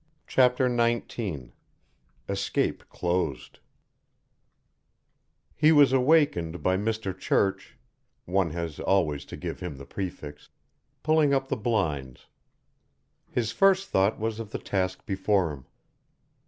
CHAPTER XIX ESCAPE CLOSED He was awakened by Mr. Church one has always to give him the prefix pulling up the blinds. His first thought was of the task before him.